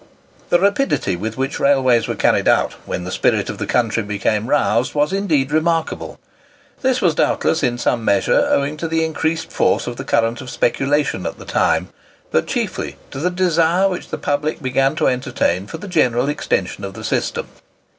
The rapidity with which railways were carried out, when the spirit of the country became roused, was indeed remarkable. This was doubtless in some measure owing to the increased force of the current of speculation at the time, but chiefly to the desire which the public began to entertain for the general extension of the system.